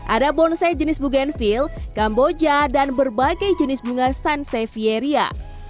ada bonsai jenis bogenville kamboja dan berbagai jenis bunga sunsevieria